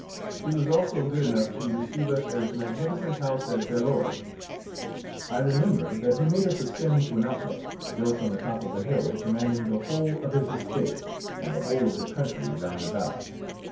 He was also good enough to receive us at his magnificent house at Bel Oeil. I remember that he made us ascend to an outlook, built on the top of a hill commanding the whole of his estate and the whole of the country round about.